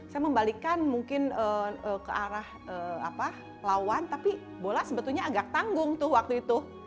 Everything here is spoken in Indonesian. saya membalikkan mungkin ke arah lawan tapi bola sebetulnya agak tanggung tuh waktu itu